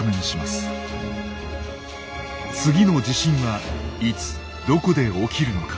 次の地震はいつどこで起きるのか。